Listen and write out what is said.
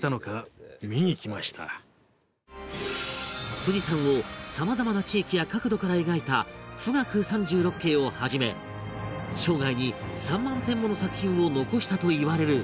富士山をさまざまな地域や角度から描いた『冨嶽三十六景』をはじめ生涯に３万点もの作品を残したといわれる